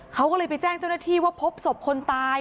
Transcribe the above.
เขาก็เลยไปแจ้งเจ้าหน้าที่ว่าพบศพคนตาย